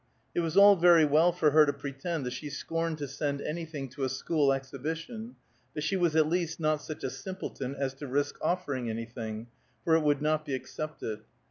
It was all very well for her to pretend that she scorned to send anything to a school exhibition, but she was at least not such a simpleton as to risk offering anything, for it would not be accepted.